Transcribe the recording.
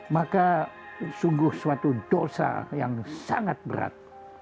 maka sungguh suatu dosa yang sangat berat